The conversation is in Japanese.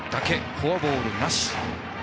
フォアボールなし。